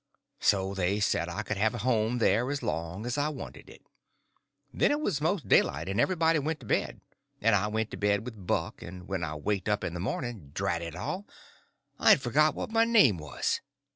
So they said I could have a home there as long as I wanted it. Then it was most daylight and everybody went to bed, and I went to bed with Buck, and when I waked up in the morning, drat it all, I had forgot what my name was.